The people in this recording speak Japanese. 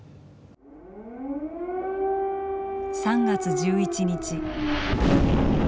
３月１１日。